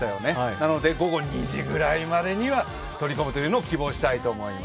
なので午後２時ぐらいまでには取り込むというのを希望したいと思います。